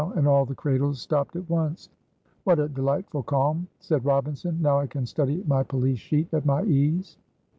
and all the cradles stopped at once. "What a delightful calm," said Robinson, "now I can study my police sheet at my ease."